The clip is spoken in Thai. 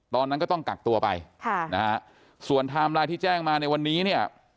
ตอนนั้นก็ต้องกักตัวไปค่ะนะฮะส่วนไทม์ไลน์ที่แจ้งมาในวันนี้เนี่ย